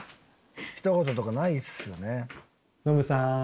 ひと言とかないっすよね。